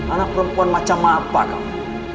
anak perempuan macam apa kamu